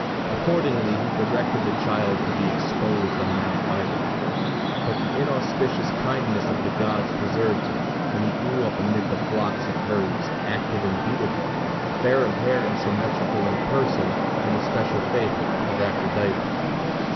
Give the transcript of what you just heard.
Accordingly he directed the child to be exposed on Mount Ida; but the inauspicious kindness of the gods preserved him; and he grew up amid the flocks and herds, active and beautiful, fair of hair and symmetrical in person, and the special favorite of Aphrodite.